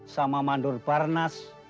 sama mandur barnas